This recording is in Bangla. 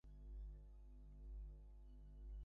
সময়ের সঙ্গে সঙ্গে তুমি শোক কাটিয়ে উঠবে।